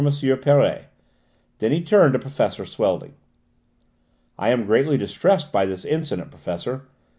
Perret. Then he turned to Professor Swelding. "I am greatly distressed by this incident, Professor.